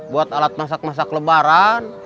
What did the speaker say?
buat alat masak masak lebaran